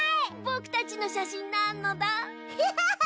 ぼくたちのしゃしんなのだ。